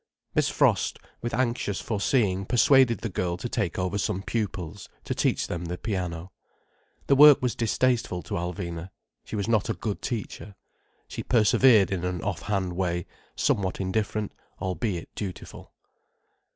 Miss Frost, with anxious foreseeing, persuaded the girl to take over some pupils, to teach them the piano. The work was distasteful to Alvina. She was not a good teacher. She persevered in an off hand way, somewhat indifferent, albeit dutiful.